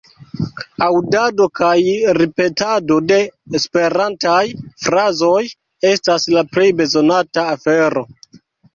Aŭdado kaj ripetado de esperantaj frazoj estas la plej bezonata afero.